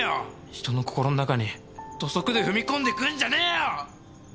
人の心の中に土足で踏み込んでくんじゃねえよ！